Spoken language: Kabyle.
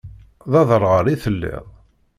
D aderɣal i telliḍ?